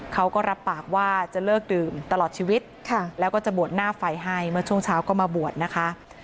เขาก็รับปากว่าจะเลิกดื่มตลอดชีวิตแล้วก็จะบวชหน้าไฟให้เมื่อช่วงเช้าก็มาบวชนะคะ